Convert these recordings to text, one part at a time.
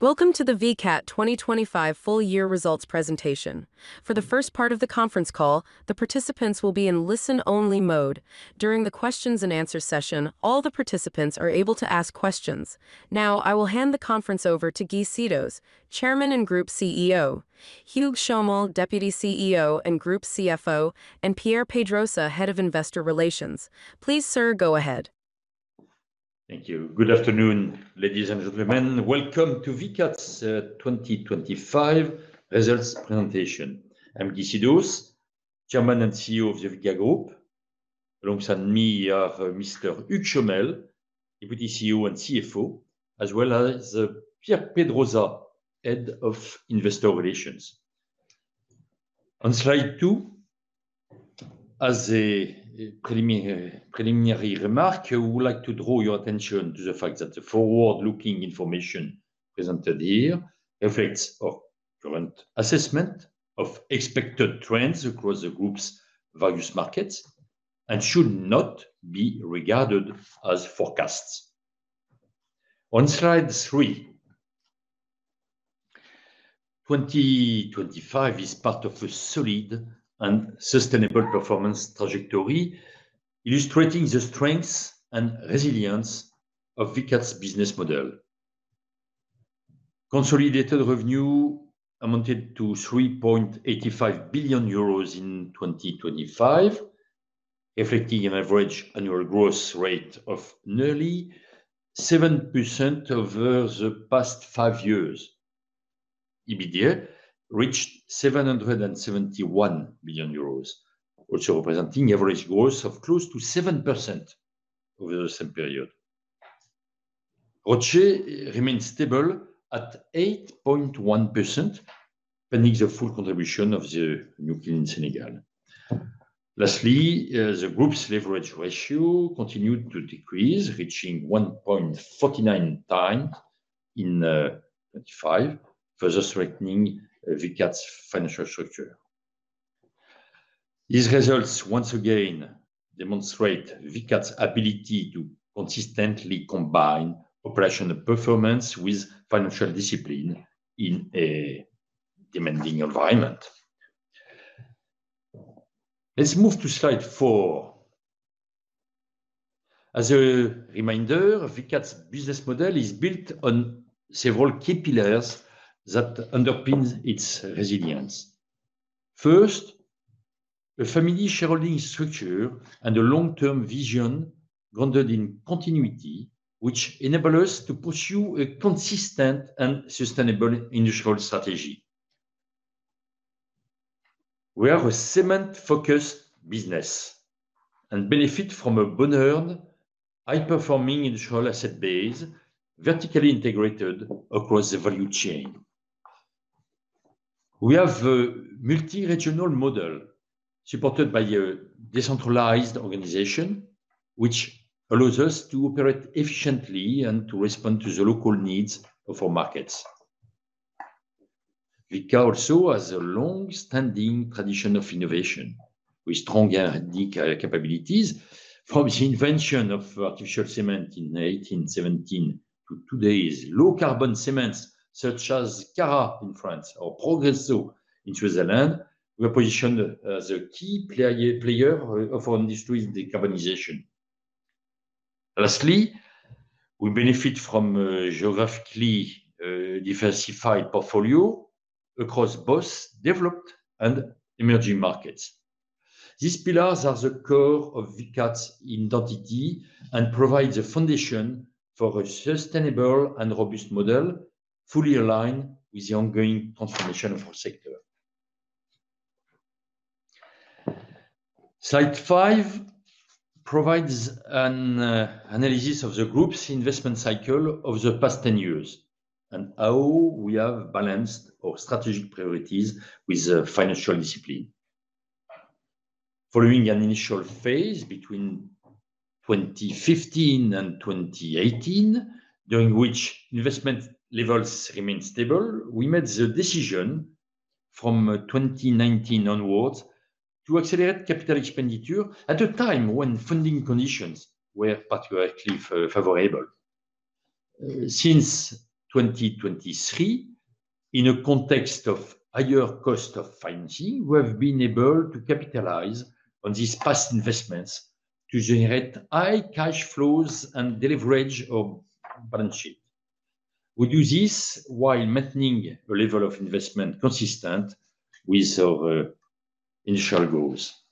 Welcome to the Vicat 2025 full year results presentation. For the first part of the conference call, the participants will be in listen-only mode. During the questions and answer session, all the participants are able to ask questions. Now, I will hand the conference over to Guy Sidos, Chairman and Group CEO, Hugues Chomel, Deputy CEO and Group CFO, and Pierre Pedrosa, Head of Investor Relations. Please, sir, go ahead. Thank you. Good afternoon, ladies and gentlemen. Welcome to Vicat's 2025 results presentation. I'm Guy Sidos, Chairman and CEO of the Vicat Group. Alongside me are Mr. Hugues Chomel, Deputy CEO and CFO, as well as Pierre Pedrosa, Head of Investor Relations. On slide two, as a preliminary remark, I would like to draw your attention to the fact that the forward-looking information presented here reflects our current assessment of expected trends across the Group's various markets and should not be regarded as forecasts. On slide three, 2025 is part of a solid and sustainable performance trajectory, illustrating the strengths and resilience of Vicat's business model. Consolidated revenue amounted to 3.85 billion euros in 2025, affecting an average annual growth rate of nearly 7% over the past five years. EBITDA reached 771 million euros, also representing average growth of close to 7% over the same period. ROCE remains stable at 8.1%, pending the full contribution of the new plant in Senegal. Lastly, the group's leverage ratio continued to decrease, reaching 1.49x in 2025, further strengthening Vicat's financial structure. These results once again demonstrate Vicat's ability to consistently combine operational performance with financial discipline in a demanding environment. Let's move to slide 4. As a reminder, Vicat's business model is built on several key pillars that underpins its resilience. First, a family shareholding structure and a long-term vision grounded in continuity, which enable us to pursue a consistent and sustainable industrial strategy. We are a cement-focused business and benefit from a modern, high-performing industrial asset base, vertically integrated across the value chain. We have a multi-regional model supported by a decentralized organization, which allows us to operate efficiently and to respond to the local needs of our markets. Vicat also has a long-standing tradition of innovation with strong R&D capabilities, from the invention of artificial cement in 1817 to today's low-carbon cements, such as Calcia in France or Progresso in Switzerland. We are positioned as a key player of industry's decarbonization. Lastly, we benefit from a geographically diversified portfolio across both developed and emerging markets. These pillars are the core of Vicat's identity and provide the foundation for a sustainable and robust model, fully aligned with the ongoing transformation of our sector. Slide 5 provides an analysis of the group's investment cycle over the past 10 years and how we have balanced our strategic priorities with the financial discipline. Following an initial phase between 2015 and 2018, during which investment levels remained stable, we made the decision from 2019 onwards to accelerate capital expenditure at a time when funding conditions were particularly favorable. Since 2023, in a context of higher cost of financing, we have been able to capitalize on these past investments to generate high cash flows and deleverage our balance sheet. We do this while maintaining a level of investment consistent with our initial goals.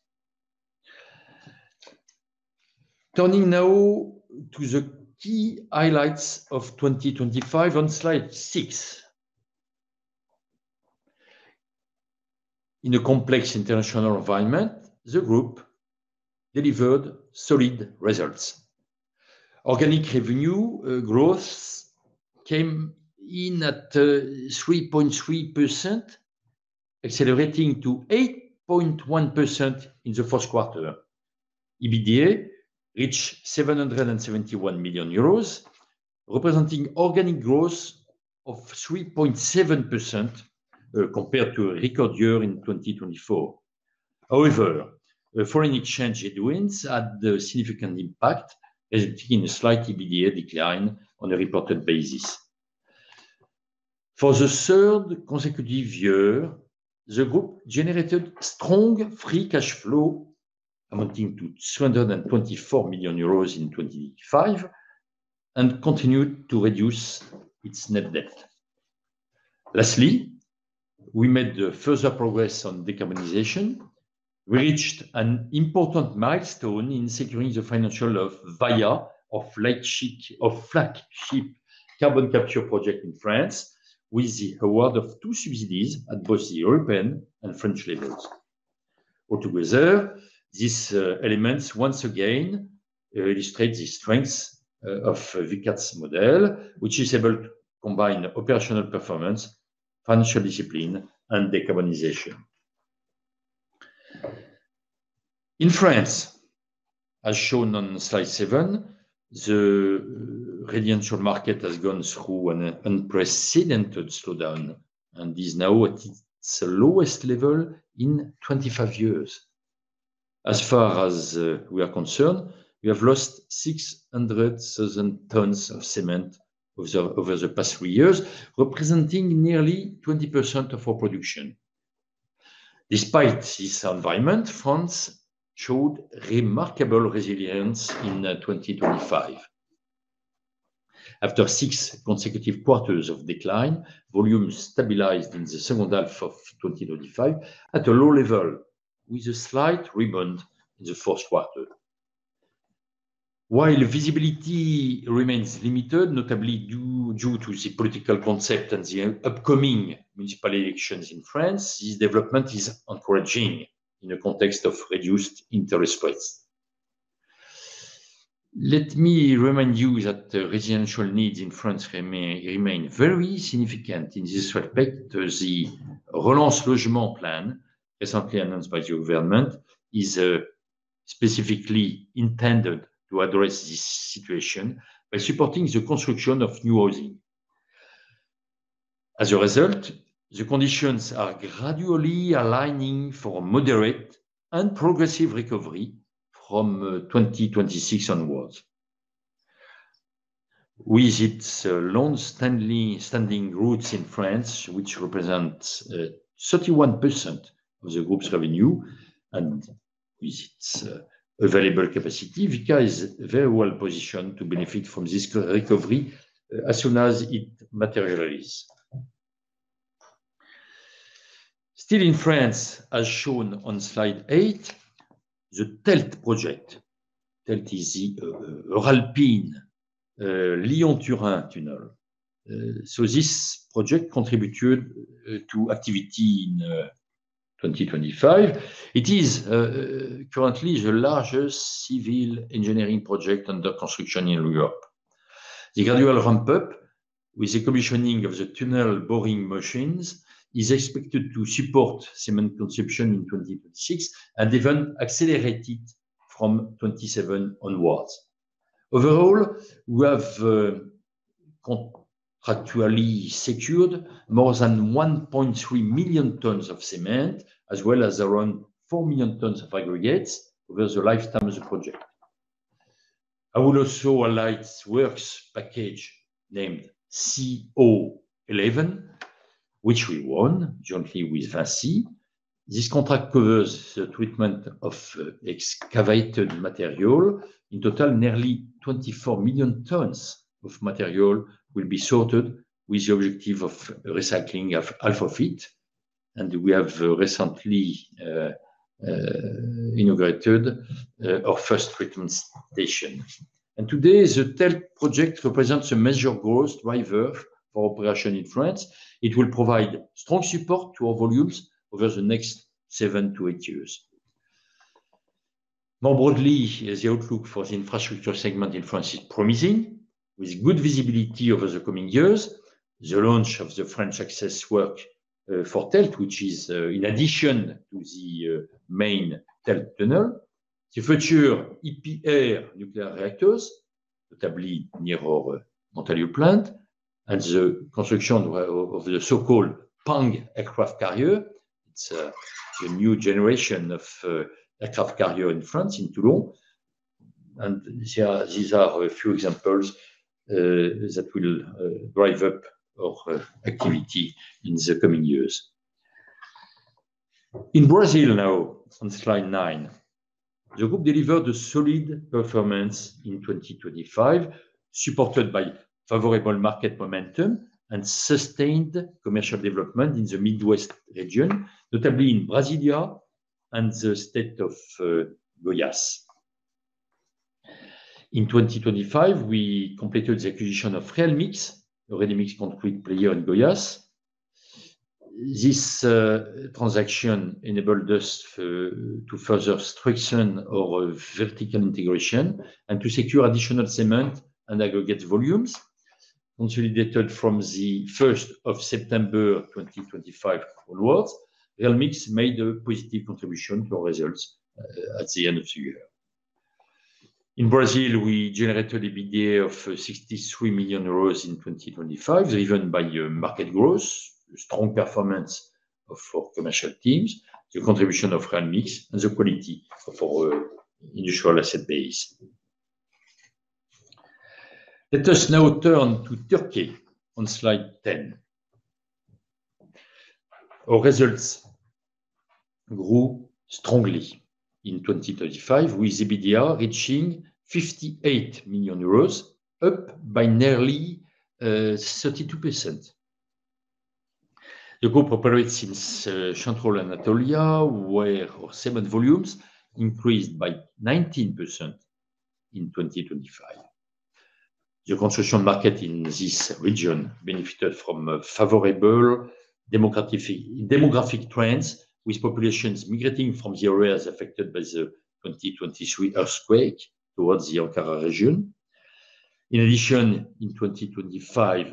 Turning now to the key highlights of 2025 on slide 6. In a complex international environment, the group delivered solid results. Organic revenue growth came in at 3.3%, accelerating to 8.1% in the first quarter. EBITDA reached EUR 771 million, representing organic growth of 3.7%, compared to a record year in 2024. However, the foreign exchange headwinds had a significant impact, resulting in a slight EBITDA decline on a reported basis. For the third consecutive year, the group generated strong free cash flow amounting to 224 million euros in 2025, and continued to reduce its net debt. Lastly, we made further progress on decarbonization. We reached an important milestone in securing the financial of VAIA, our flagship, our flagship carbon capture project in France, with the award of two subsidies at both the European and French levels. Altogether, these elements once again illustrate the strength of Vicat's model, which is able to combine operational performance, financial discipline, and decarbonization. In France, as shown on slide seven, the residential market has gone through an unprecedented slowdown and is now at its lowest level in 25 years. As far as we are concerned, we have lost 600,000 tons of cement over the past three years, representing nearly 20% of our production. Despite this environment, France showed remarkable resilience in 2025. After six consecutive quarters of decline, volumes stabilized in the second half of 2025 at a low level, with a slight rebound in the first quarter. While visibility remains limited, notably due to the political context and the upcoming municipal elections in France, this development is encouraging in the context of reduced interest rates. Let me remind you that the residential needs in France remain very significant. In this respect, the Relance Logement plan, recently announced by the government, is specifically intended to address this situation by supporting the construction of new housing. As a result, the conditions are gradually aligning for a moderate and progressive recovery from 2026 onwards. With its long-standing roots in France, which represents 31% of the group's revenue, and with its available capacity, Vicat is very well positioned to benefit from this recovery as soon as it materializes. Still in France, as shown on slide 8, the TELT project. TELT is the Alpine Lyon-Turin Tunnel. So this project contributed to activity in 2025. It is currently the largest civil engineering project under construction in Europe. The gradual ramp-up with the commissioning of the tunnel boring machines is expected to support cement consumption in 2026, and even accelerate it from 2027 onwards. Overall, we have contractually secured more than 1.3 million tons of cement, as well as around 4 million tons of aggregates over the lifetime of the project. I would also highlight works package named CO11, which we won jointly with Vinci. This contract covers the treatment of excavated material. In total, nearly 24 million tons of material will be sorted with the objective of recycling of half of it, and we have recently inaugurated our first treatment station. And today, the TELT project represents a major growth driver for operation in France. It will provide strong support to our volumes over the next 7-8 years. More broadly, the outlook for the infrastructure segment in France is promising, with good visibility over the coming years. The launch of the French access work for TELT, which is in addition to the main TELT tunnel. The future EPR nuclear reactors, notably near our Montalieu-Vercieu plant, and the construction of the so-called PANG aircraft carrier. It's the new generation of aircraft carrier in France, in Toulon. And these are a few examples that will drive up our activity in the coming years. In Brazil now, on slide 9, the group delivered a solid performance in 2025, supported by favorable market momentum and sustained commercial development in the Midwest region, notably in Brasília and the state of Goiás. In 2025, we completed the acquisition of Realmix, a ready-mix concrete player in Goiás. This transaction enabled us to further strengthen our vertical integration and to secure additional cement and aggregate volumes. Consolidated from September 1, 2025 onwards, Realmix made a positive contribution to our results at the end of the year. In Brazil, we generated EBITDA of 63 million euros in 2025, driven by your market growth, strong performance of our commercial teams, the contribution of Realmix, and the quality of our initial asset base. Let us now turn to Turkey on slide 10. Our results grew strongly in 2025, with EBITDA reaching 58 million euros, up by nearly 32%. The group operates in Central Anatolia, where our cement volumes increased by 19% in 2025. The construction market in this region benefited from favorable demographic trends, with populations migrating from the areas affected by the 2023 earthquake towards the Ankara region. In addition, in 2025,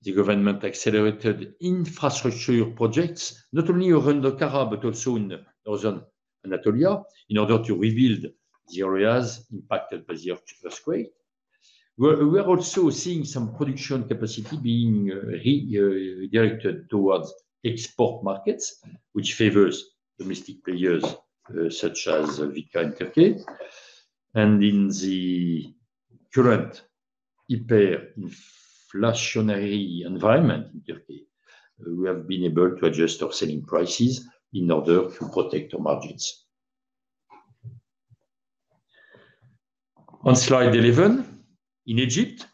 the government accelerated infrastructure projects, not only around Ankara, but also in Northern Anatolia, in order to rebuild the areas impacted by the earthquake. We're also seeing some production capacity being redirected towards export markets, which favors domestic players such as Vicat in Turkey. And in the current hyperinflationary environment in Turkey, we have been able to adjust our selling prices in order to protect our margins. On slide 11, in Egypt,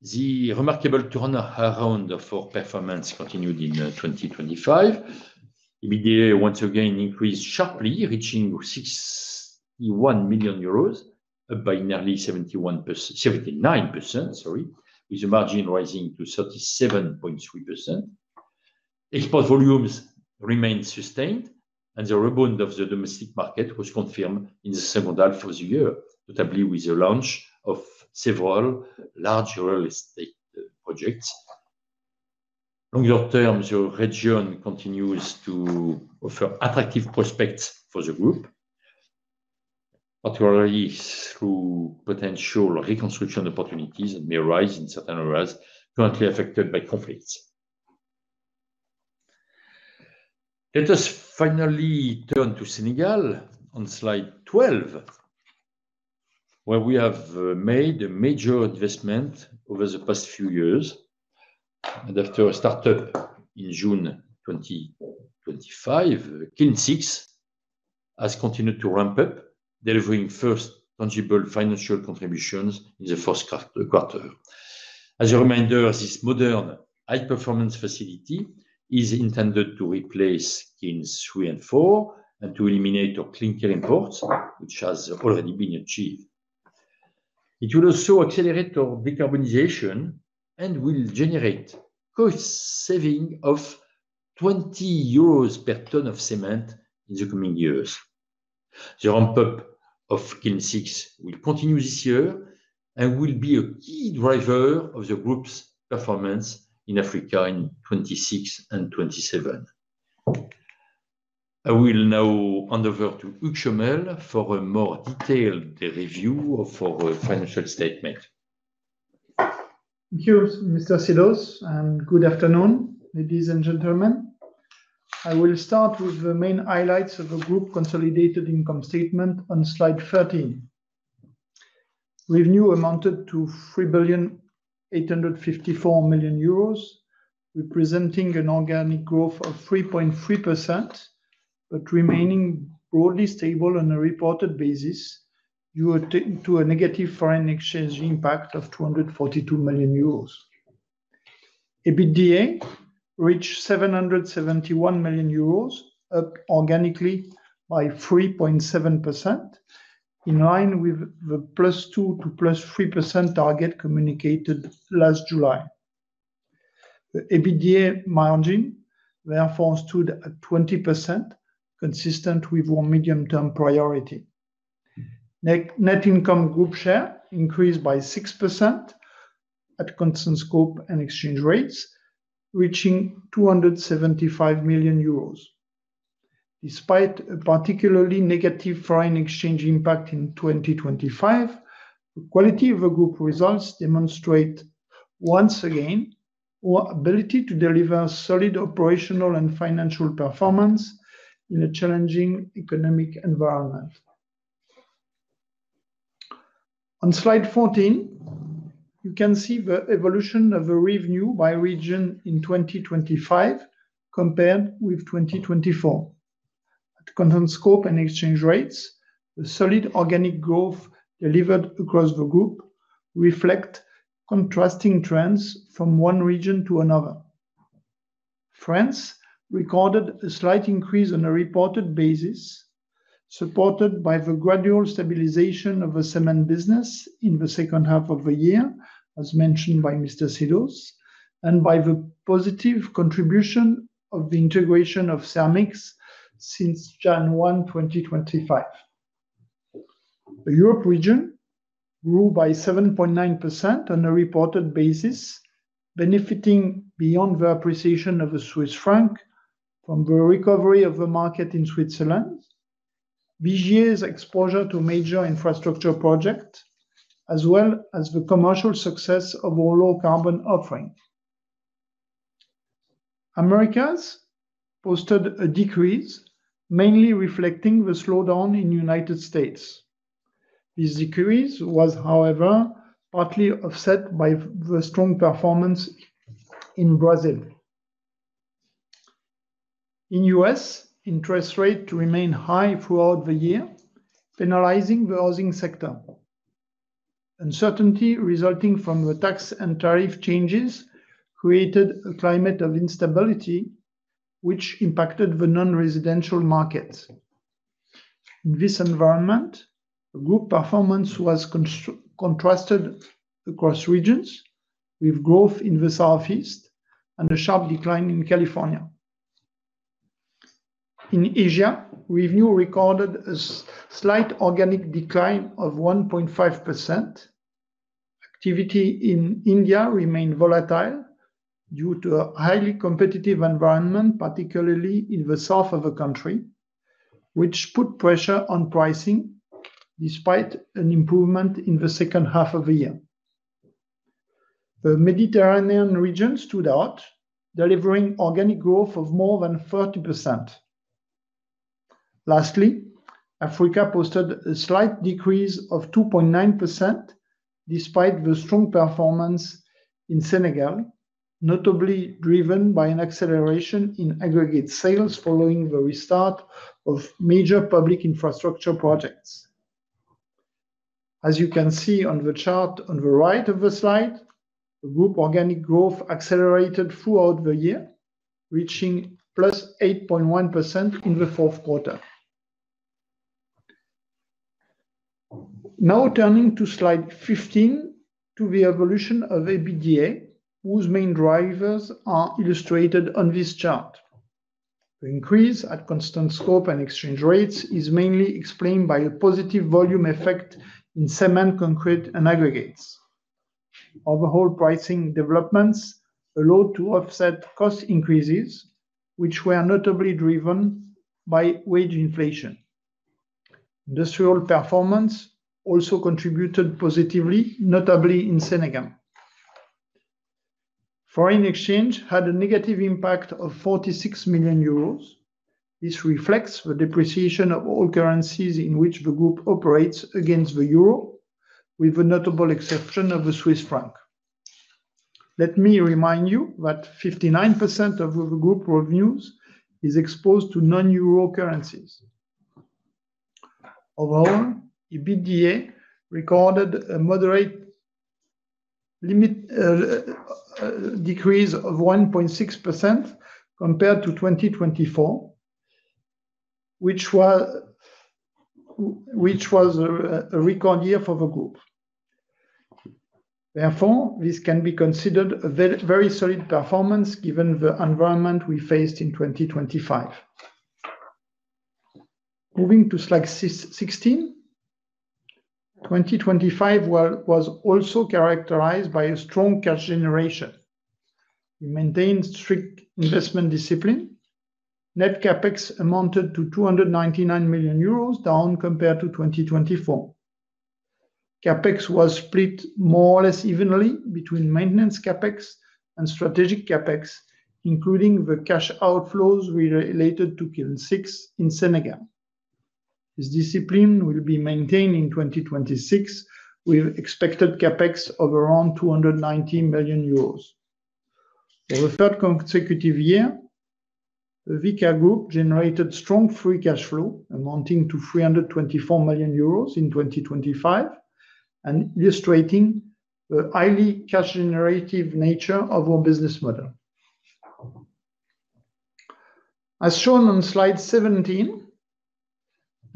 the remarkable turnaround of our performance continued in 2025. EBITDA once again increased sharply, reaching 61 million euros, up by nearly 71%-79%, sorry, with the margin rising to 37.3%. Export volumes remained sustained, and the rebound of the domestic market was confirmed in the second half of the year, notably with the launch of several large real estate projects. Longer term, the region continues to offer attractive prospects for the group, particularly through potential reconstruction opportunities that may arise in certain areas currently affected by conflicts. Let us finally turn to Senegal on slide 12, where we have made a major investment over the past few years. After a start-up in June 2025, Kiln 6 has continued to ramp up, delivering first tangible financial contributions in the first quarter. As a reminder, this modern, high-performance facility is intended to replace Kilns 3 and 4, and to eliminate our clinker imports, which has already been achieved. It will also accelerate our decarbonization and will generate cost saving of 20 euros per ton of cement in the coming years. The ramp-up of Kiln 6 will continue this year and will be a key driver of the group's performance in Africa in 2026 and 2027. I will now hand over to Hugues Chomel for a more detailed review of our financial statement. Thank you, Mr. Sidos, and good afternoon, ladies and gentlemen. I will start with the main highlights of the group consolidated income statement on slide 13. Revenue amounted to 3,854 million euros, representing an organic growth of 3.3%, but remaining broadly stable on a reported basis, due to a negative foreign exchange impact of 242 million euros. EBITDA reached 771 million euros, up organically by 3.7%, in line with the +2% to +3% target communicated last July. The EBITDA margin therefore stood at 20%, consistent with our medium-term priority. Net income group share increased by 6% at constant scope and exchange rates, reaching 275 million euros. Despite a particularly negative foreign exchange impact in 2025, the quality of the group results demonstrate once again our ability to deliver solid operational and financial performance in a challenging economic environment. On slide 14, you can see the evolution of the revenue by region in 2025 compared with 2024. At constant scope and exchange rates, the solid organic growth delivered across the group reflect contrasting trends from one region to another. France recorded a slight increase on a reported basis, supported by the gradual stabilization of the cement business in the second half of the year, as mentioned by Mr. Sidos, and by the positive contribution of the integration of Cermix since January 1, 2025. The Europe region-... Grew by 7.9% on a reported basis, benefiting beyond the appreciation of the Swiss franc from the recovery of the market in Switzerland, Vigier's exposure to major infrastructure project, as well as the commercial success of our low-carbon offering. Americas posted a decrease, mainly reflecting the slowdown in United States. This decrease was, however, partly offset by the strong performance in Brazil. In U.S., interest rate to remain high throughout the year, penalizing the housing sector. Uncertainty resulting from the tax and tariff changes created a climate of instability, which impacted the non-residential markets. In this environment, the group performance was contrasted across regions, with growth in the Southeast and a sharp decline in California. In Asia, revenue recorded a slight organic decline of 1.5%. Activity in India remained volatile due to a highly competitive environment, particularly in the south of the country, which put pressure on pricing despite an improvement in the second half of the year. The Mediterranean region stood out, delivering organic growth of more than 30%. Lastly, Africa posted a slight decrease of 2.9%, despite the strong performance in Senegal, notably driven by an acceleration in aggregate sales following the restart of major public infrastructure projects. As you can see on the chart on the right of the slide, the group organic growth accelerated throughout the year, reaching +8.1% in the fourth quarter. Now, turning to slide 15, to the evolution of EBITDA, whose main drivers are illustrated on this chart. The increase at constant scope and exchange rates is mainly explained by a positive volume effect in cement, concrete, and aggregates. Overall, pricing developments allowed to offset cost increases, which were notably driven by wage inflation. Industrial performance also contributed positively, notably in Senegal. Foreign exchange had a negative impact of 46 million euros. This reflects the depreciation of all currencies in which the group operates against the euro, with the notable exception of the Swiss franc. Let me remind you that 59% of the group revenues is exposed to non-euro currencies. Overall, EBITDA recorded a moderate limit decrease of 1.6% compared to 2024, which was a record year for the group. Therefore, this can be considered a very, very solid performance, given the environment we faced in 2025. Moving to slide 16. 2025 was also characterized by a strong cash generation. We maintained strict investment discipline. Net CapEx amounted to 299 million euros, down compared to 2024. CapEx was split more or less evenly between maintenance CapEx and strategic CapEx, including the cash outflows related to Kiln 6 in Senegal. This discipline will be maintained in 2026, with expected CapEx of around 219 million euros. For the third consecutive year, the Vicat Group generated strong free cash flow, amounting to 324 million euros in 2025, and illustrating the highly cash generative nature of our business model. As shown on slide 17,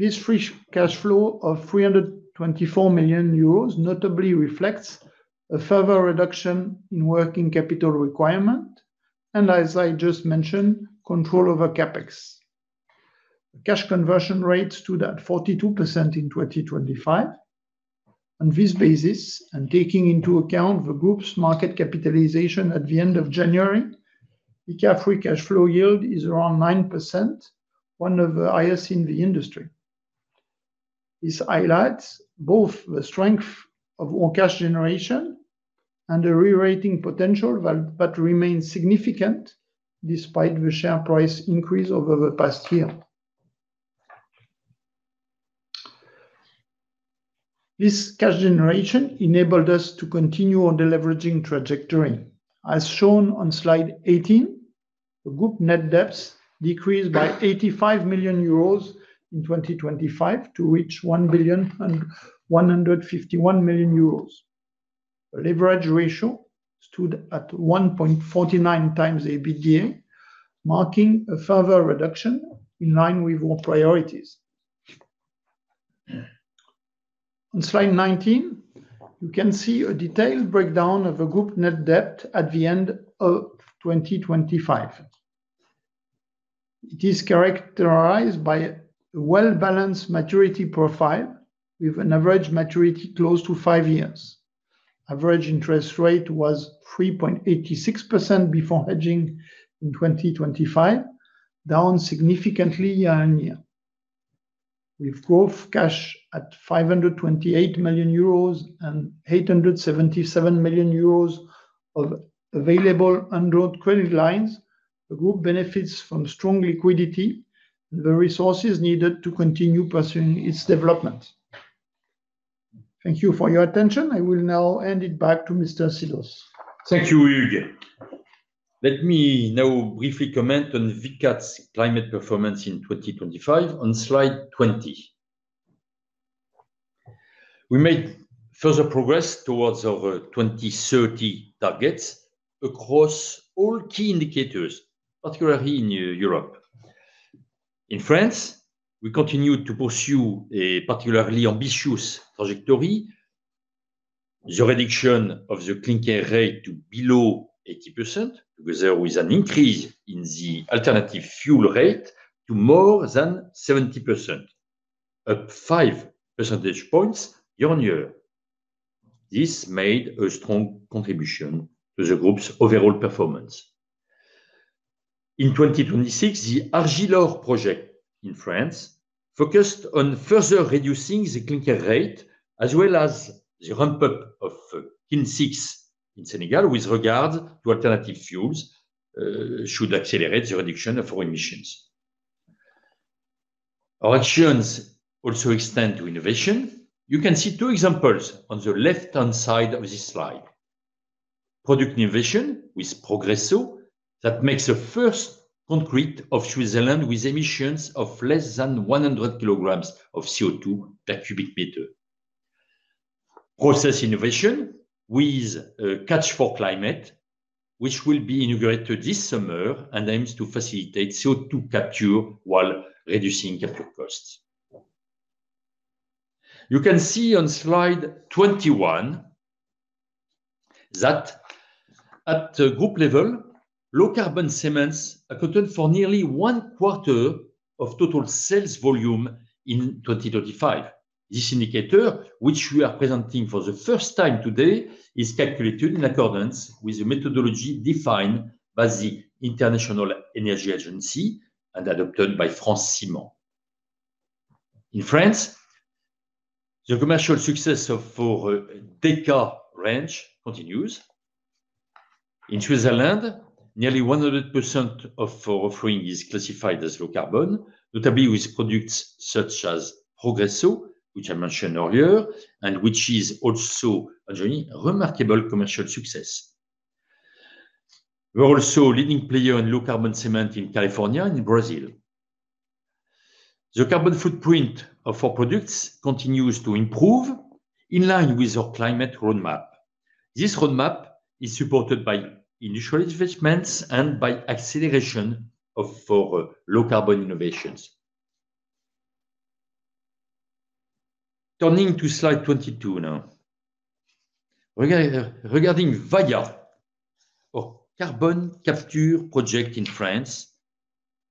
this free cash flow of 324 million euros notably reflects a further reduction in working capital requirement, and as I just mentioned, control over CapEx. Cash conversion rate stood at 42% in 2025. On this basis, and taking into account the group's market capitalization at the end of January, the CapEx free cash flow yield is around 9%, one of the highest in the industry. This highlights both the strength of our cash generation and the rerating potential that remains significant despite the share price increase over the past year. This cash generation enabled us to continue on the leveraging trajectory. As shown on slide 18, the group net debts decreased by 85 million euros in 2025, to reach 1,151 million euros. Leverage ratio stood at 1.49x EBITDA, marking a further reduction in line with our priorities. On slide 19, you can see a detailed breakdown of the group net debt at the end of 2025.... It is characterized by a well-balanced maturity profile, with an average maturity close to 5 years. Average interest rate was 3.86% before hedging in 2025, down significantly year-over-year. With gross cash at 528 million euros and 877 million euros of available undrawn credit lines, the group benefits from strong liquidity, the resources needed to continue pursuing its development. Thank you for your attention. I will now hand it back to Mr. Sidos. Thank you, Hugues. Let me now briefly comment on Vicat's climate performance in 2025 on slide 20. We made further progress towards our 2030 targets across all key indicators, particularly in Europe. In France, we continued to pursue a particularly ambitious trajectory. The reduction of the clinker rate to below 80%, because there was an increase in the alternative fuel rate to more than 70%, up 5 percentage points year-over-year. This made a strong contribution to the group's overall performance. In 2026, the Argile project in France focused on further reducing the clinker rate, as well as the ramp-up of Kiln 6 in Senegal with regard to alternative fuels, should accelerate the reduction of our emissions. Our actions also extend to innovation. You can see two examples on the left-hand side of this slide. Product innovation with Progresso, that makes the first concrete of Switzerland, with emissions of less than 100 kilograms of CO2 per cubic meter. Process innovation with Catch4Climate, which will be inaugurated this summer and aims to facilitate CO2 capture while reducing capital costs. You can see on slide 21, that at the group level, low-carbon cements accounted for nearly one quarter of total sales volume in 2025. This indicator, which we are presenting for the first time today, is calculated in accordance with the methodology defined by the International Energy Agency and adopted by France Ciment. In France, the commercial success of our DECA range continues. In Switzerland, nearly 100% of our offering is classified as low carbon, notably with products such as Progresso, which I mentioned earlier, and which is also enjoying remarkable commercial success. We're also a leading player in low-carbon cement in California and Brazil. The carbon footprint of our products continues to improve, in line with our climate roadmap. This roadmap is supported by initial investments and by acceleration of our low-carbon innovations. Turning to slide 22 now. Regarding VAIA, our carbon capture project in France,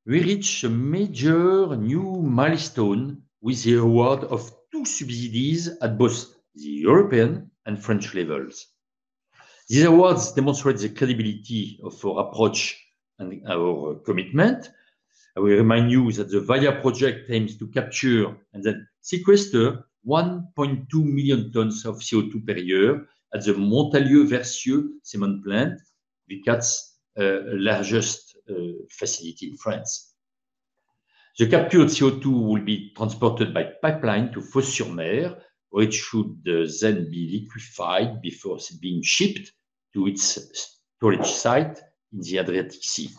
we reached a major new milestone with the award of two subsidies at both the European and French levels. These awards demonstrate the credibility of our approach and our commitment. I will remind you that the VAIA project aims to capture and then sequester 1.2 million tons of CO2 per year at the Montalieu-Vercieu cement plant, Vicat's largest facility in France. The captured CO2 will be transported by pipeline to Fos-sur-Mer, which should then be liquefied before being shipped to its storage site in the Adriatic Sea.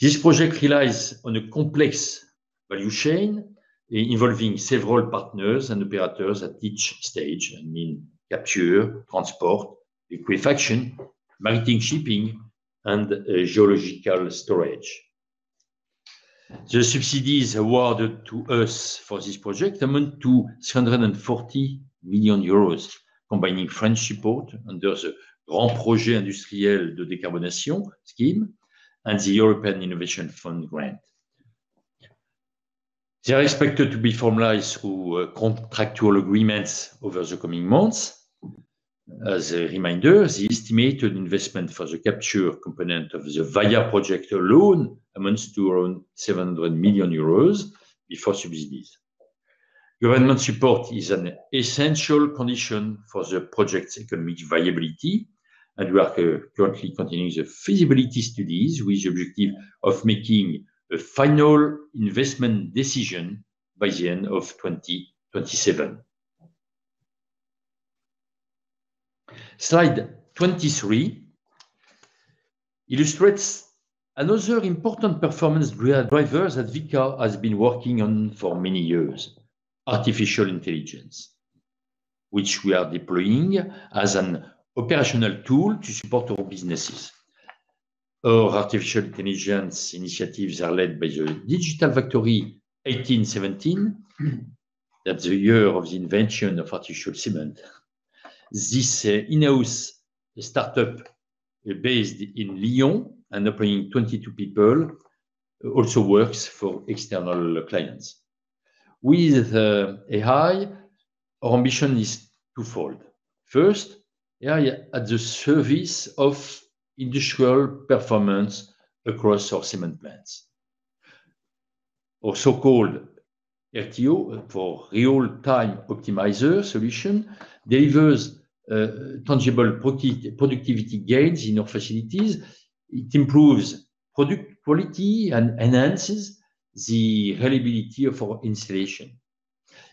This project relies on a complex value chain, involving several partners and operators at each stage, I mean, capture, transport, liquefaction, maritime shipping, and geological storage. The subsidies awarded to us for this project amount to 740 million euros, combining French support under the Grand Projet Industriel de Décarbonation scheme and the European Innovation Fund grant. They are expected to be formalized through contractual agreements over the coming months. As a reminder, the estimated investment for the capture component of the VAIA project alone amounts to around 700 million euros before subsidies. Government support is an essential condition for the project's economic viability, and we are currently continuing the feasibility studies with the objective of making a final investment decision by the end of 2027. Slide 23 illustrates another important performance driver that Vicat has been working on for many years: artificial intelligence, which we are deploying as an operational tool to support our businesses. Our artificial intelligence initiatives are led by the Digital Factory 1817.... That's the year of the invention of artificial cement. This in-house startup is based in Lyon and employing 22 people, also works for external clients. With AI, our ambition is twofold. First, at the service of industrial performance across our cement plants, or so-called RTO, for real-time optimizer solution, delivers tangible productivity gains in our facilities. It improves product quality and enhances the reliability of our installation.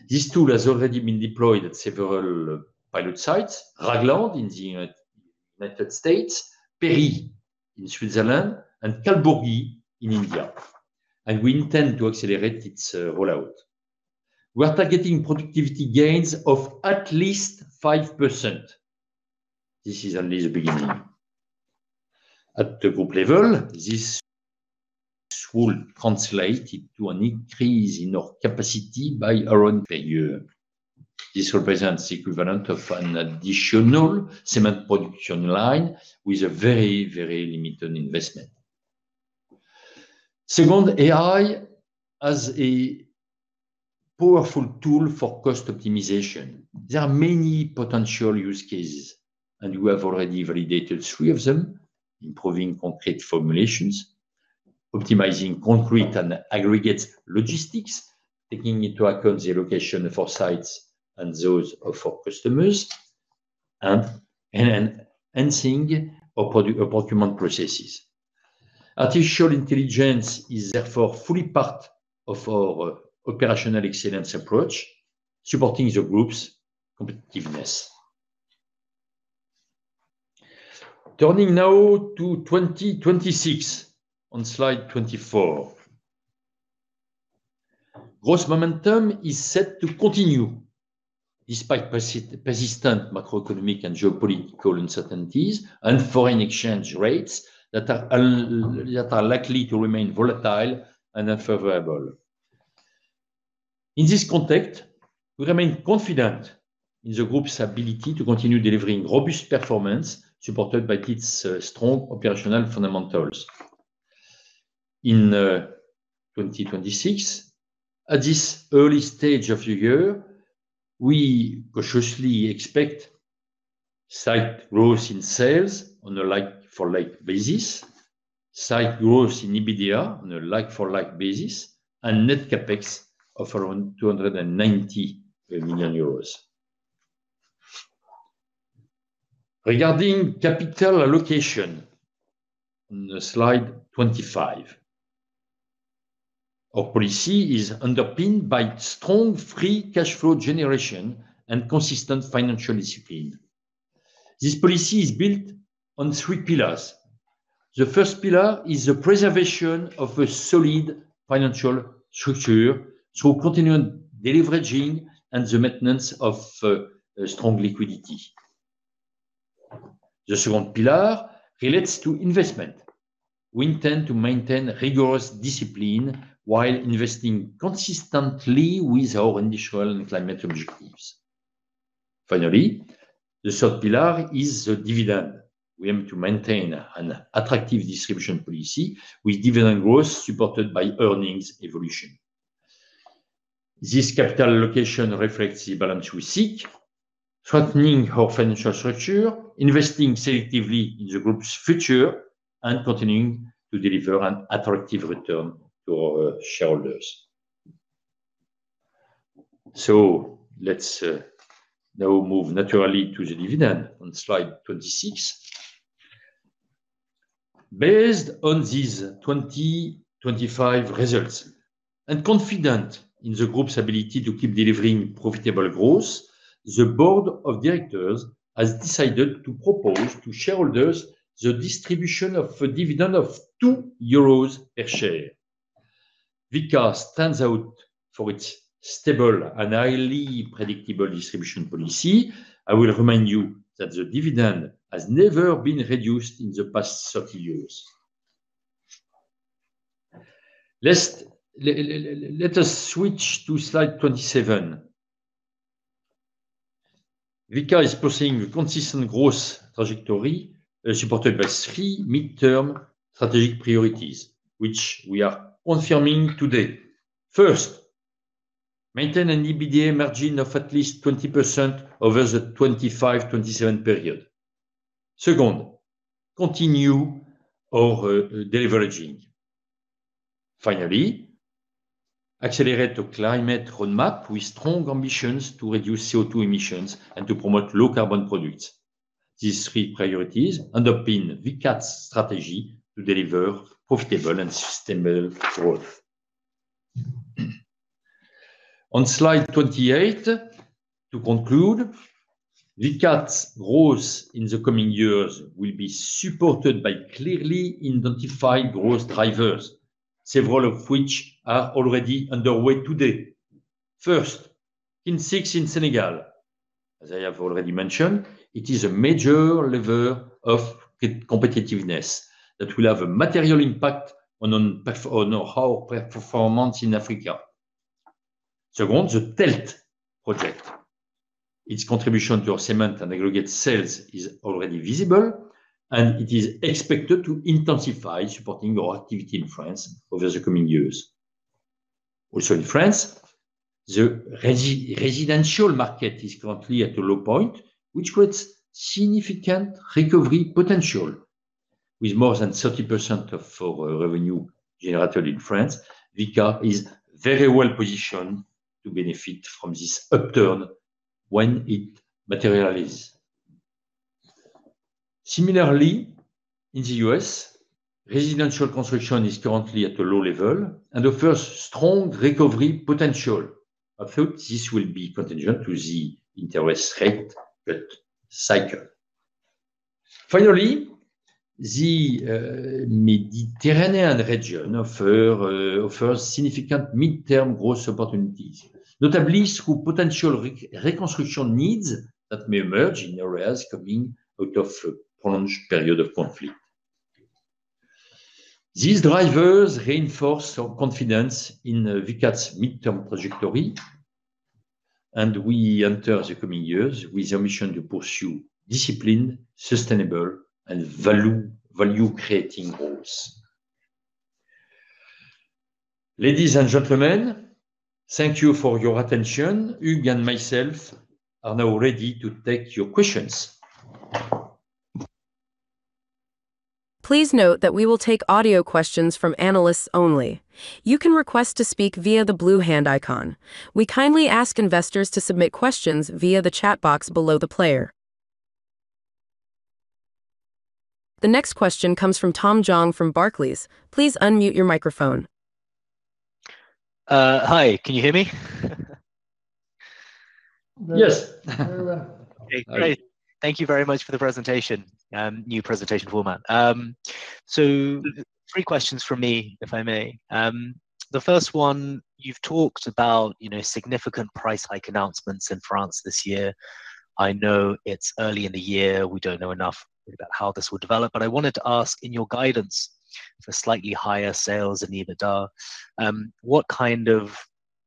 This tool has already been deployed at several pilot sites: Ragland in the United States, Péry in Switzerland, and Kalburgi in India, and we intend to accelerate its rollout. We are targeting productivity gains of at least 5%. This is only the beginning. At the group level, this would translate into an increase in our capacity by around a year. This represents the equivalent of an additional cement production line with a very, very limited investment. Second, AI as a powerful tool for cost optimization. There are many potential use cases, and we have already validated three of them: improving concrete formulations, optimizing concrete and aggregate logistics, taking into account the location of our sites and those of our customers, and enhancing our procurement processes. Artificial intelligence is therefore fully part of our operational excellence approach, supporting the group's competitiveness. Turning now to 2026, on slide 24. Growth momentum is set to continue despite persistent macroeconomic and geopolitical uncertainties, and foreign exchange rates that are likely to remain volatile and unfavorable. In this context, we remain confident in the group's ability to continue delivering robust performance, supported by its strong operational fundamentals. In 2026, at this early stage of the year, we cautiously expect slight growth in sales on a like-for-like basis, slight growth in EBITDA on a like-for-like basis, and net CapEx of around 290 million euros. Regarding capital allocation, on slide 25, our policy is underpinned by strong free cash flow generation and consistent financial discipline. This policy is built on three pillars. The first pillar is the preservation of a solid financial structure, so continuing deleveraging and the maintenance of a strong liquidity. The second pillar relates to investment. We intend to maintain rigorous discipline while investing consistently with our industrial and climate objectives. Finally, the third pillar is the dividend. We aim to maintain an attractive distribution policy with dividend growth supported by earnings evolution. This capital allocation reflects the balance we seek, strengthening our financial structure, investing selectively in the group's future, and continuing to deliver an attractive return to our shareholders. So let's now move naturally to the dividend on slide 26. Based on these 2025 results, and confident in the group's ability to keep delivering profitable growth, the board of directors has decided to propose to shareholders the distribution of a dividend of 2 euros per share. Vicat stands out for its stable and highly predictable distribution policy. I will remind you that the dividend has never been reduced in the past 30 years. Let us switch to slide 27. Vicat is pursuing a consistent growth trajectory, supported by three midterm strategic priorities, which we are confirming today. First, maintain an EBITDA margin of at least 20% over the 2025-2027 period. Second, continue our deleveraging. Finally, accelerate our climate roadmap with strong ambitions to reduce CO2 emissions and to promote low-carbon products. These three priorities underpin Vicat's strategy to deliver profitable and sustainable growth. On slide 28, to conclude, Vicat's growth in the coming years will be supported by clearly identified growth drivers, several of which are already underway today. First, Kiln 6 in Senegal, as I have already mentioned, it is a major lever of cost competitiveness that will have a material impact on our performance in Africa. Second, the TELT project, its contribution to our cement and aggregate sales is already visible, and it is expected to intensify supporting our activity in France over the coming years. Also in France, the residential market is currently at a low point, which creates significant recovery potential. With more than 30% of our revenue generated in France, Vicat is very well positioned to benefit from this upturn when it materializes. Similarly, in the US, residential construction is currently at a low level and offers strong recovery potential. I thought this will be contingent to the interest rate, but cycle. Finally, the Mediterranean region offers significant mid-term growth opportunities, notably through potential reconstruction needs that may emerge in areas coming out of a prolonged period of conflict. These drivers reinforce our confidence in Vicat's mid-term trajectory, and we enter the coming years with a mission to pursue disciplined, sustainable, and value-creating goals. Ladies and gentlemen, thank you for your attention. Hugues and myself are now ready to take your questions. Please note that we will take audio questions from analysts only. You can request to speak via the blue hand icon. We kindly ask investors to submit questions via the chat box below the player. The next question comes from Tom Zhang from Barclays. Please unmute your microphone. Hi, can you hear me? Yes. Okay, great. Thank you very much for the presentation, new presentation format. So three questions from me, if I may. The first one, you've talked about, you know, significant price hike announcements in France this year. I know it's early in the year. We don't know enough about how this will develop, but I wanted to ask, in your guidance for slightly higher sales in EBITDA, what kind of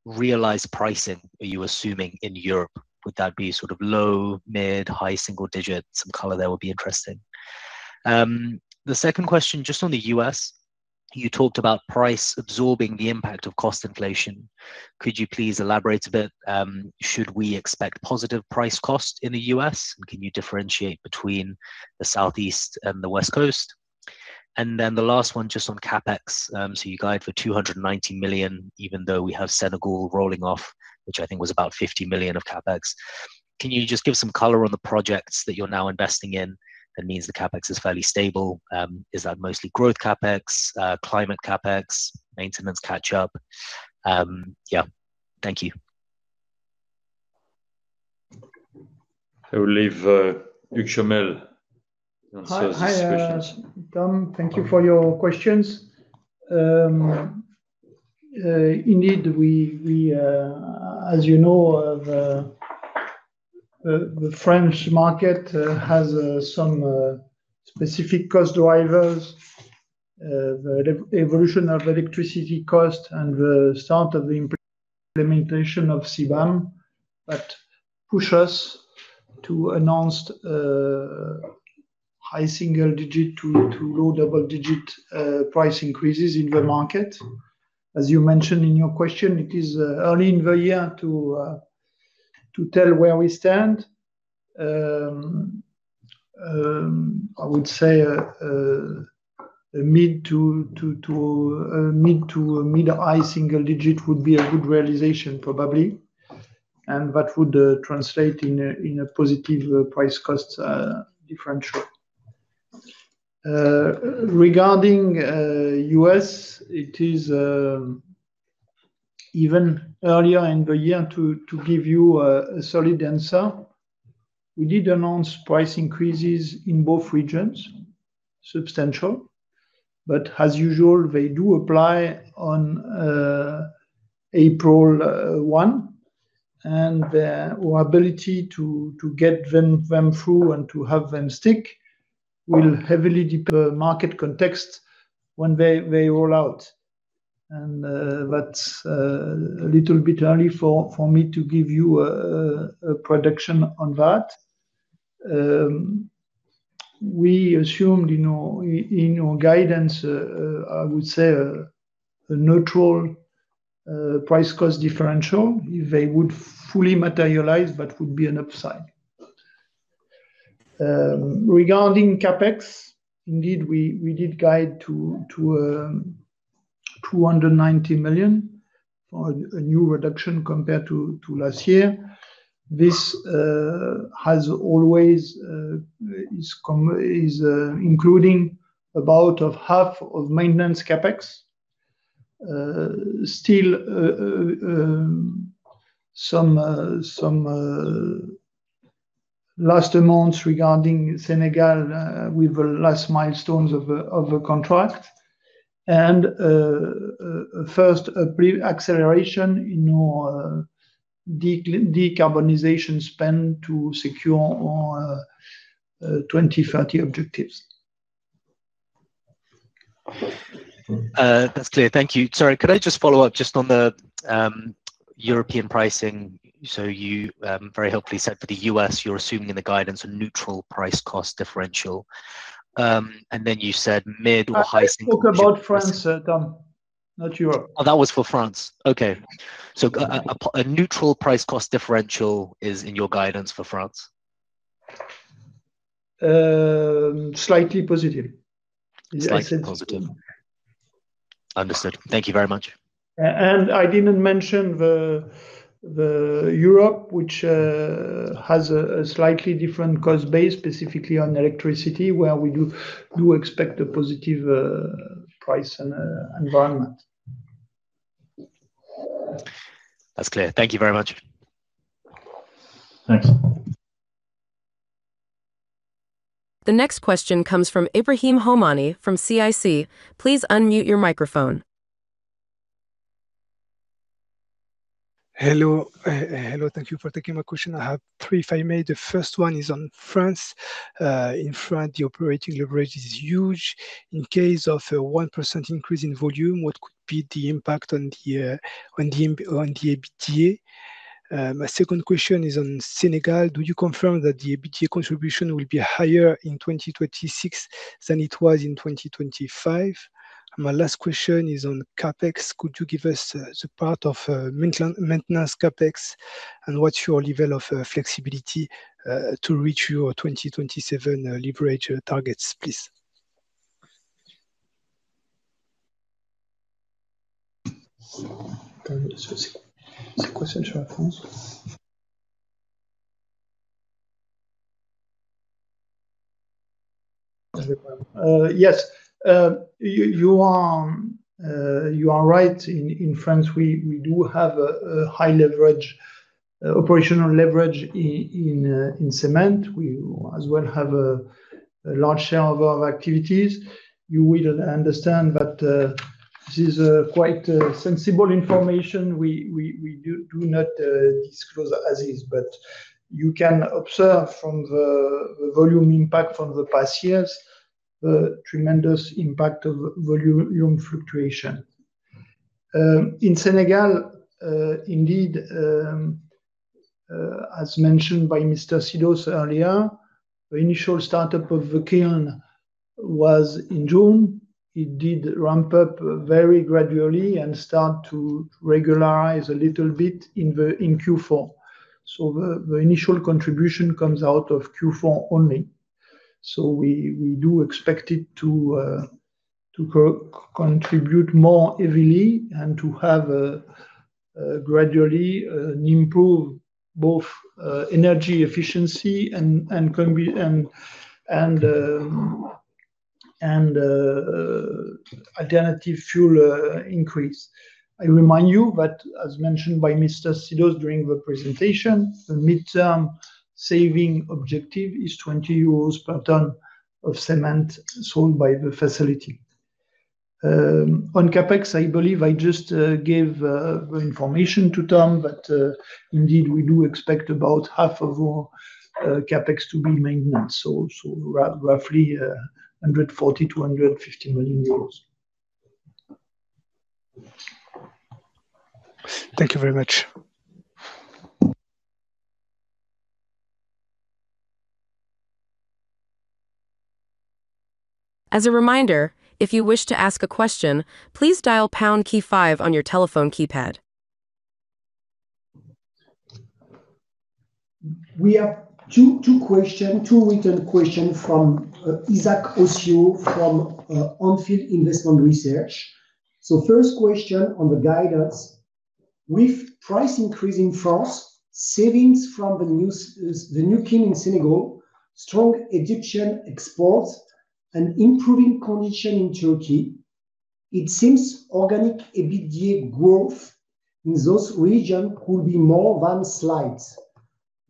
realized pricing are you assuming in Europe? Would that be sort of low, mid, high single digit? Some color there would be interesting. The second question, just on the U.S., you talked about price absorbing the impact of cost inflation. Could you please elaborate a bit? Should we expect positive price cost in the U.S., and can you differentiate between the Southeast and the West Coast? And then the last one, just on CapEx. So you guide for 290 million, even though we have Senegal rolling off, which I think was about 50 million of CapEx. Can you just give some color on the projects that you're now investing in that means the CapEx is fairly stable? Is that mostly growth CapEx, climate CapEx, maintenance catch up? Yeah. Thank you. I will leave, Hugues Chomel to answer these questions. Hi, Tom. Thank you for your questions. Indeed, we, as you know, the French market has some specific cost drivers. The evolution of electricity cost and the start of the implementation of CBAM, that push us to announce high single digit to low double digit price increases in the market. As you mentioned in your question, it is early in the year to tell where we stand. I would say a mid to mid high single digit would be a good realization, probably, and that would translate in a positive price-cost differential. Regarding US, it is even earlier in the year to give you a solid answer. We did announce price increases in both regions, substantial, but as usual, they do apply on April 1, and our ability to get them through and to have them stick will heavily depend on market context when they roll out. And that's a little bit early for me to give you a prediction on that. We assumed in our guidance, I would say a neutral price-cost differential. If they would fully materialize, that would be an upside. Regarding CapEx, indeed, we did guide to 290 million for a new reduction compared to last year. This has always is including about half of maintenance CapEx. Still, some last amounts regarding Senegal, with the last milestones of a contract, and first, a pre-acceleration in our decarbonization spend to secure our 2030 objectives. That's clear. Thank you. Sorry, could I just follow up just on the European pricing? So you very helpfully said for the U.S., you're assuming in the guidance a neutral price cost differential. And then you said mid or high- I spoke about France, Tom, not Europe. Oh, that was for France. Okay. So a neutral price cost differential is in your guidance for France? Slightly positive. Slightly positive. Understood. Thank you very much. And I didn't mention Europe, which has a slightly different cost base, specifically on electricity, where we do expect a positive price and environment. That's clear. Thank you very much. Thanks. The next question comes from Ibrahim Houmani from CIC. Please unmute your microphone. Hello. Hello, thank you for taking my question. I have three, if I may. The first one is on France. In France, the operating leverage is huge. In case of a 1% increase in volume, what could be the impact on the, on the EBITDA? My second question is on Senegal. Do you confirm that the EBITDA contribution will be higher in 2026 than it was in 2025? My last question is on CapEx. Could you give us, the part of, maintenance CapEx, and what's your level of, flexibility, to reach your 2027, leverage targets, please? Yes. You are right. In France, we do have a high leverage, operational leverage in cement. We as well have a large share of our activities. You will understand that this is quite sensible information. We do not disclose as is, but you can observe from the volume impact from the past years, the tremendous impact of volume fluctuation. In Senegal, indeed, as mentioned by Mr. Sidos earlier, the initial startup of the kiln was in June. It did ramp up very gradually and start to regularize a little bit in Q4. So the initial contribution comes out of Q4 only. So we do expect it to contribute more heavily and to gradually improve both energy efficiency and alternative fuel increase. I remind you that, as mentioned by Mr. Sidos during the presentation, the midterm saving objective is 20 euros per ton of cement sold by the facility. On CapEx, I believe I just gave the information to Tom, but indeed, we do expect about half of our CapEx to be maintenance. So roughly EUR 140 million-EUR 150 million. Thank you very much. As a reminder, if you wish to ask a question, please dial pound key five on your telephone keypad. We have two written questions from Isaac Osio from Onfield Investment Research. So first question on the guidance: With price increase in France, savings from the new kiln in Senegal, strong Egyptian exports, and improving conditions in Turkey, it seems organic EBITDA growth in those regions could be more than slight.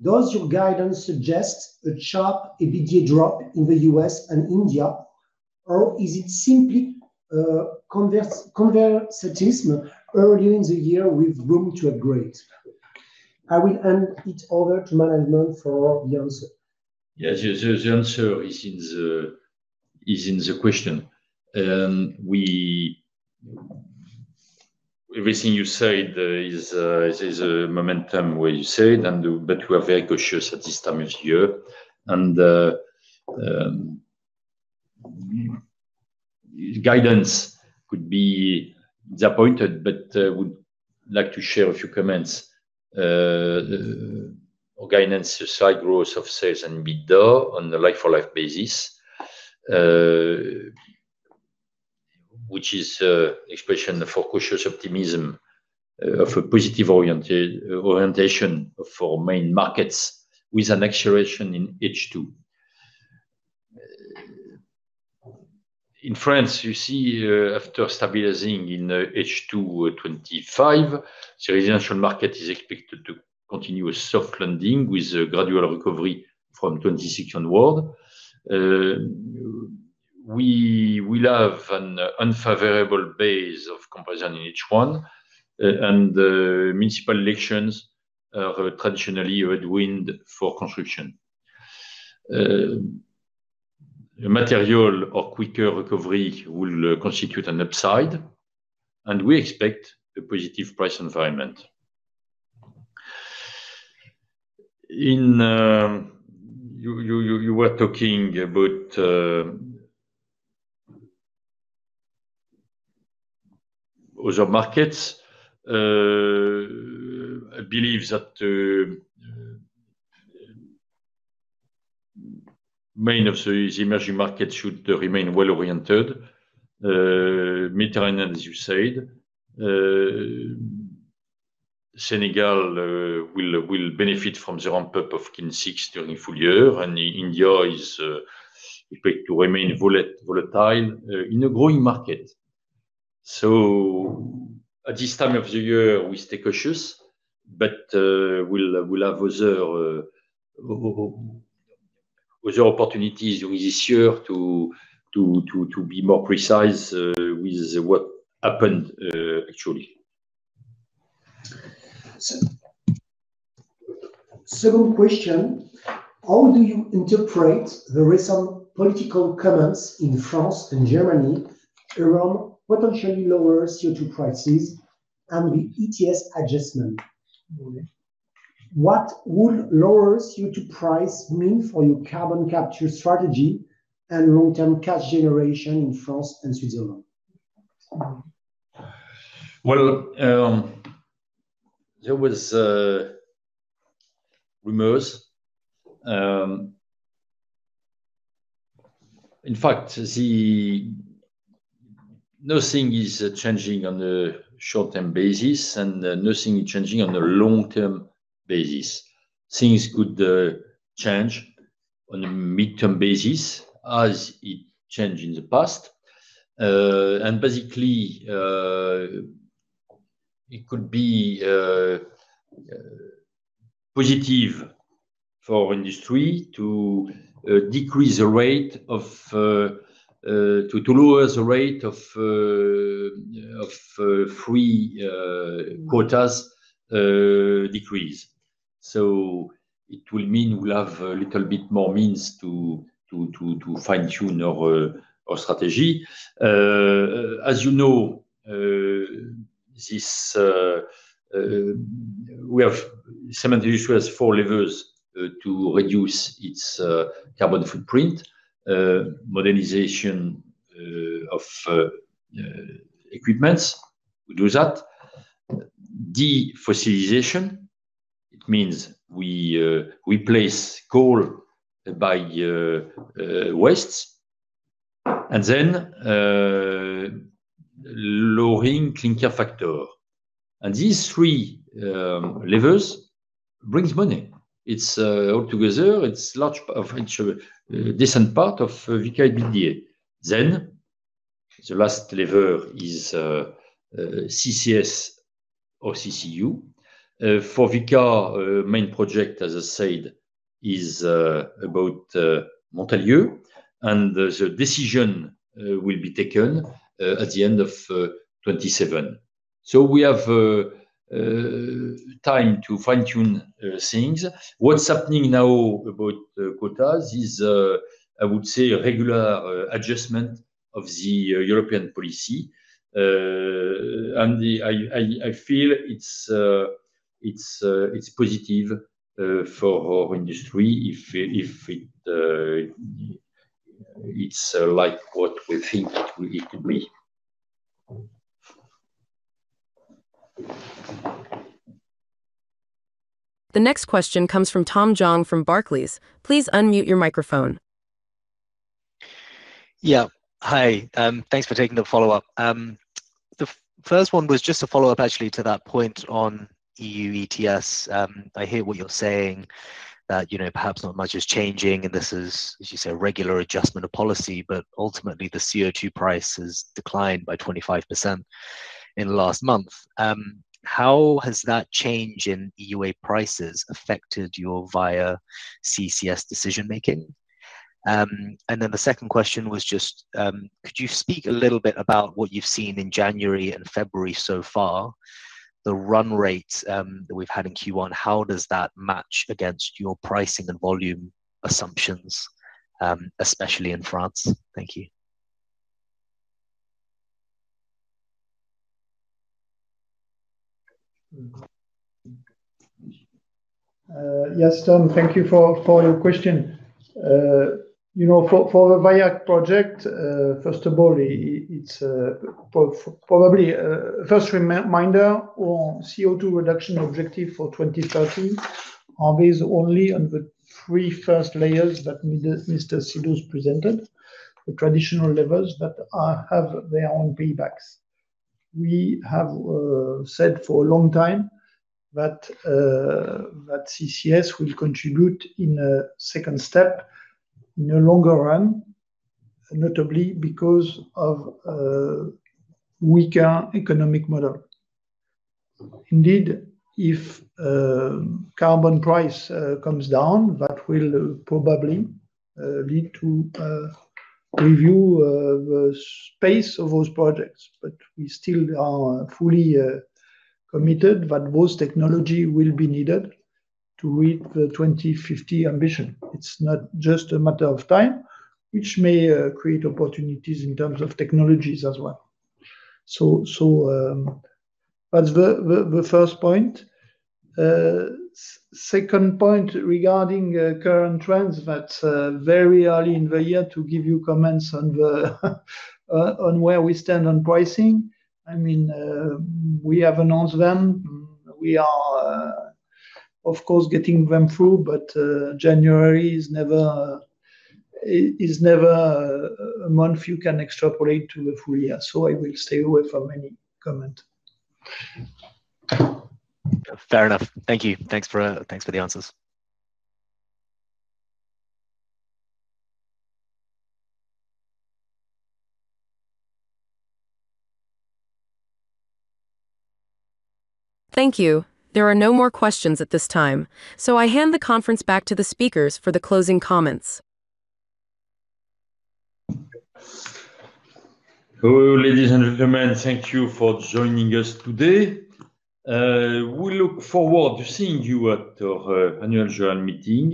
Does your guidance suggest a sharp EBITDA drop in the U.S. and India, or is it simply conservatism early in the year with room to upgrade? I will hand it over to management for the answer. Yes, yes. The answer is in the question. Everything you said is a momentum, but we are very cautious at this time of year. Guidance could be disappointed, but would like to share a few comments. Our guidance is slight growth of sales and EBITDA on the like-for-like basis, which is expression for cautious optimism of a positive orientation for main markets with an acceleration in H2. In France, you see, after stabilizing in H2 2025, the residential market is expected to continue a soft landing with a gradual recovery from 2016 onwards. We have an unfavorable base of comparison in H1, and the municipal elections are traditionally a headwind for construction. A material or quicker recovery will constitute an upside, and we expect a positive price environment. You were talking about other markets. I believe that many of the emerging markets should remain well-oriented. Mid-term, as you said, Senegal will benefit from the ramp-up of Kiln 6 during full year, and India is expected to remain volatile in a growing market. So at this time of the year, we stay cautious, but we'll have other opportunities within this year to be more precise with what happened actually. Second question: How do you interpret the recent political comments in France and Germany around potentially lower CO2 prices and the ETS adjustment? What would lower CO2 price mean for your carbon capture strategy and long-term cash generation in France and Switzerland? Well, there was rumors. In fact, nothing is changing on the short-term basis, and nothing is changing on the long-term basis. Things could change on a midterm basis as it changed in the past. And basically, it could be positive for industry to decrease the rate of, to lower the rate of free quotas decrease. So it will mean we'll have a little bit more means to fine-tune our strategy. As you know, the cement industry has four levers to reduce its carbon footprint. Modernization of equipment, we do that. Defossilization, it means we replace coal by waste, and then lowering clinker factor. And these three levers brings money. It's all together, it's large of each, a decent part of Vicat EBITDA. Then, the last lever is CCS or CCU. For Vicat, main project, as I said, is about Montalieu-Vercieu, and the decision will be taken at the end of 2027. So we have time to fine-tune things. What's happening now about the quotas is, I would say, a regular adjustment of the European policy. And I feel it's positive for our industry if it's like what we think it will be. The next question comes from Tom Zhang from Barclays. Please unmute your microphone. Yeah. Hi, thanks for taking the follow-up. The first one was just a follow-up, actually, to that point on EU ETS. I hear what you're saying, that, you know, perhaps not much is changing, and this is, as you say, a regular adjustment of policy, but ultimately, the CO2 price has declined by 25% in the last month. How has that change in EUA prices affected your VAIA CCS decision-making? And then the second question was just, could you speak a little bit about what you've seen in January and February so far, the run rate, that we've had in Q1, how does that match against your pricing and volume assumptions, especially in France? Thank you. Yes, Tom, thank you for your question. You know, for the VAIA project, first of all, it's probably first reminder on CO2 reduction objective for 2030 are based only on the three first layers that Mr. Sidos presented, the traditional levels that have their own paybacks. We have said for a long time that CCS will contribute in a second step, in a longer run, notably because of a weaker economic model. Indeed, if carbon price comes down, that will probably lead to a review of the space of those projects. But we still are fully committed that both technology will be needed to reach the 2050 ambition. It's not just a matter of time, which may create opportunities in terms of technologies as well. That's the first point. Second point regarding current trends, that's very early in the year to give you comments on where we stand on pricing. I mean, we have announced them. We are, of course, getting them through, but January is never a month you can extrapolate to the full year, so I will stay away from any comment. Fair enough. Thank you. Thanks for, thanks for the answers. Thank you. There are no more questions at this time, so I hand the conference back to the speakers for the closing comments. Hello, ladies and gentlemen. Thank you for joining us today. We look forward to seeing you at our annual general meeting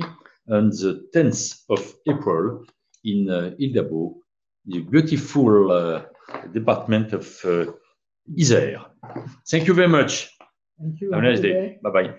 on the 10th of April in Villeurbanne, the beautiful department of Isère. Thank you very much. Thank you. Have a nice day. Bye-bye.